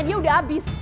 dia udah abis